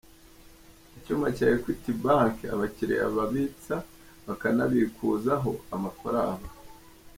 Icyuma cya Equity Bank, abakiriya babitsa bakanabikuzaho amafaranga.